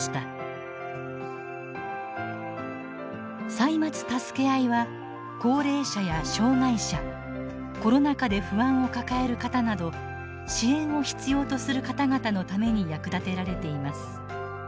「歳末たすけあい」は高齢者や障害者コロナ禍で不安を抱える方など支援を必要とする方々のために役立てられています。